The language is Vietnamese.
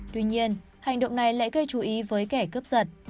tuy nhiên hành động này lại gây chú ý với kẻ cướp giật